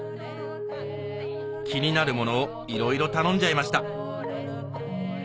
気になるものをいろいろ頼んじゃいました